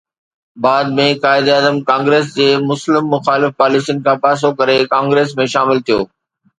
بعد ۾ قائداعظم ڪانگريس جي مسلم مخالف پاليسين کان پاسو ڪري ڪانگريس ۾ شامل ٿيو.